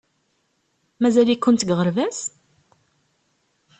Mazal-ikent deg uɣerbaz?